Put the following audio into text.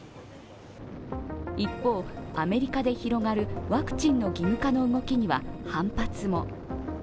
一方、アメリカで広がるワクチンの義務化の動きには反発も。